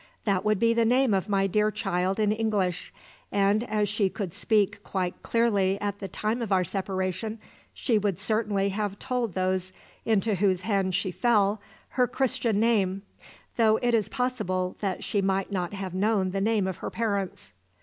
That would be the name of my dear child in English, and as she could speak quite clearly at the time of our separation, she would certainly have told those into whose hands she fell her Christian name, though it is possible that she might not have known the name of her parents."